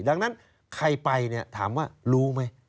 ดังนั้นใครไปเนี่ยถามว่ารู้ไหม